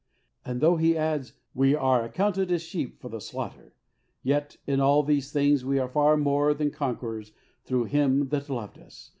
'' And though he adds, " VVe are accounted as sheep for the slaughter,^' yet " in all these things we are more than conquerors through Him that loved us.